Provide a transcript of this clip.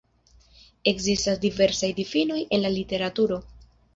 Ekzistas diversaj difinoj en la literaturo.